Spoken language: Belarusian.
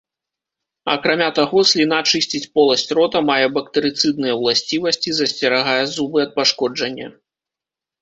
Акрамя таго, сліна чысціць поласць рота, мае бактэрыцыдныя ўласцівасці, засцерагае зубы ад пашкоджання.